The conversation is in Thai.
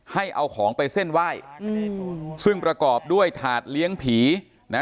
ให้เอาของไปเส้นไหว้อืมซึ่งประกอบด้วยถาดเลี้ยงผีนะ